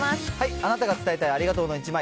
あなたが伝えたいありがとうの１枚。